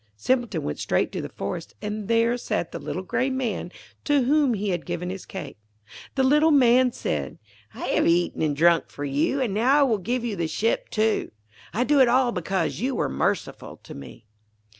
Simpleton went straight to the forest, and there sat the little grey Man to whom he had given his cake. The little Man said: 'I have eaten and drunk for you, and now I will give you the ship, too. I do it all because you were merciful to me.'